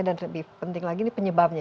dan lebih penting lagi ini penyebabnya